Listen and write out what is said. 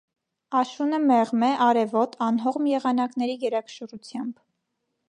Աշունը մեղմ է, արևոտ՝ անհողմ եղանակների գերակշռությամբ։